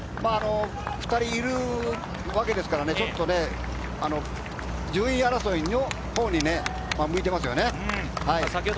２人いるわけですから、順位争いのほうに向いていますよね。